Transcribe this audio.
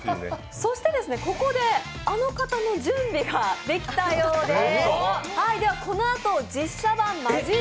そしてここで、あの方の準備ができたようです。